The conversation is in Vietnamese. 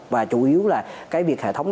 và chủ yếu là cái việc hệ thống